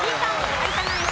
有田ナイン